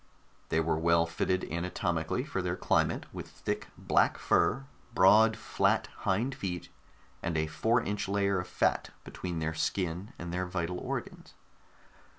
They were well fitted anatomically for their climate, with thick black fur, broad flat hind feet and a four inch layer of fat between their skin and their vital organs.